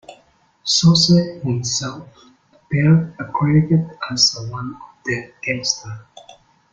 Scorsese himself appears uncredited as one of the gangsters.